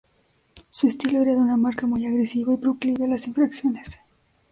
Su estilo era de una marca muy agresiva y proclive a las infracciones.